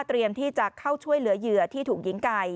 ที่จะเข้าช่วยเหลือเหยื่อที่ถูกยิงไก่